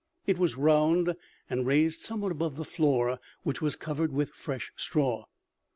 It was round and raised somewhat above the floor which was covered with fresh straw.